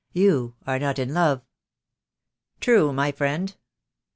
"You are not in love!" "True, my friend.